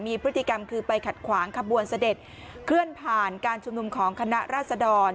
มีพฤติกรรมคือไปขัดขวางขบวนเสด็จเคลื่อนผ่านการชุมนุมของคณะราษดร